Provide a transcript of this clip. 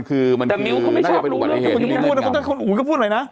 คุณอุ๋ยก็พูดหน่อยนะ